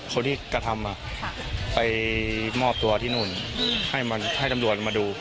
คนที่กระทำไปมอบตัวที่นู่นให้ตำรวจมาดู